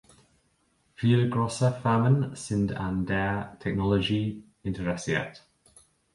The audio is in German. Viele große Firmen sind an der Technologie interessiert.